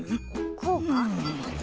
こうか？